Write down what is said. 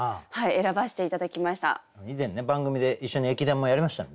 以前ね番組で一緒に駅伝もやりましたもんね。